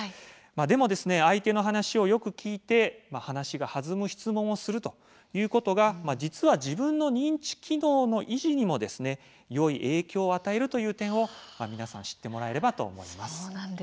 でも相手の話をよく聞いて話が弾む質問を考えてすることが実は自分の認知機能の維持にもよい影響を与えていくということを、ぜひ知っておいてもらいたいと思います。